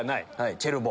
チェルボ。